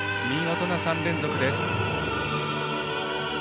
見事な３連続です。